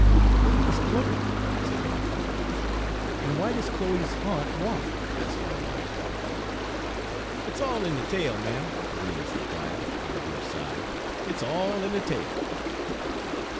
"Who was Chloe?" said Mabel. "And why does Chloe's haunt walk?" asked my wife. "It's all in de tale, ma'm," Julius replied, with a deep sigh. "It's all in de tale."